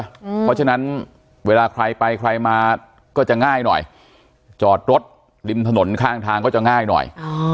เพราะฉะนั้นเวลาใครไปใครมาก็จะง่ายหน่อยจอดรถริมถนนข้างทางก็จะง่ายหน่อย